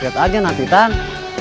lihat aja nanti tang